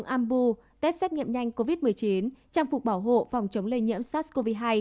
ambou test xét nghiệm nhanh covid một mươi chín trang phục bảo hộ phòng chống lây nhiễm sars cov hai